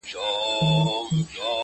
هر يو سر يې هره خوا وهل زورونه!.